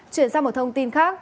chuyển sang một thông tin khác